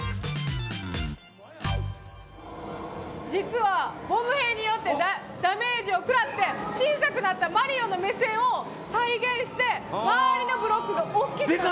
実はボムへいによってダメージを食らって小さくなったマリオの目線を再現して周りのブロックが大きくなってる。